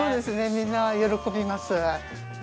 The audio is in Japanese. みんな喜びます。